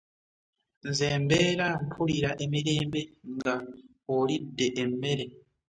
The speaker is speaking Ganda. Nze mbeera mpulira emirembe nga olidde emmere.